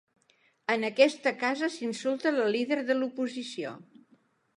En aquesta casa s’insulta la líder de l’oposició.